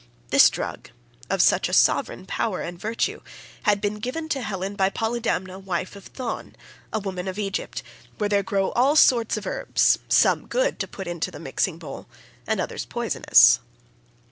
This drug, of such sovereign power and virtue, had been given to Helen by Polydamna wife of Thon, a woman of Egypt, where there grow all sorts of herbs, some good to put into the mixing bowl and others poisonous.